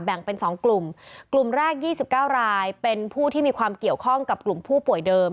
เป็น๒กลุ่มกลุ่มแรก๒๙รายเป็นผู้ที่มีความเกี่ยวข้องกับกลุ่มผู้ป่วยเดิม